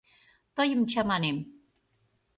— Тыйым чаманем.